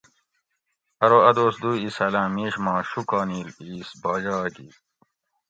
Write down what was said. ارو اۤ دوس دوئ ایساۤلاۤں میش ما شوکا نیل ایس باجاگ ھی